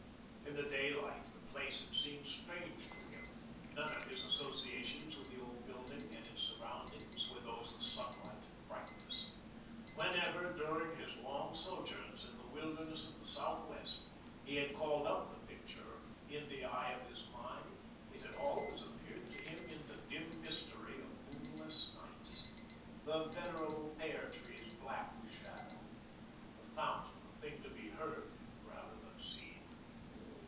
In the daylight, the place had seemed strange to him. None of his associations with the old building and its surroundings were those of sunlight and brightness. Whenever, during his long sojourns in the wilderness of the Southwest, he had called up the picture in the eye of his mind, it had always appeared to him in the dim mystery of moonless nights, the venerable pear trees black with shadow, the fountain a thing to be heard rather than seen.